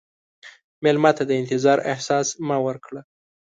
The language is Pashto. مېلمه ته د انتظار احساس مه ورکړه.